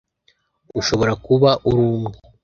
Ushobora kuba uri umwe